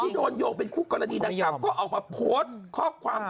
ที่โดนโยงเป็นคู่กรณีนักกรรมก็เอามาโพสต์ข้อความ